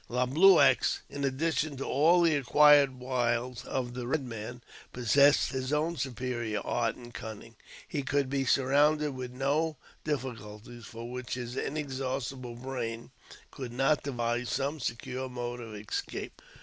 Le Blueux, in addition to all the acquired wiles of the Eed Man, possessed his own superior art and cunning. He could be surrounded with no difficulties for which his inexhaustible brain could not devise some secure mode of escape.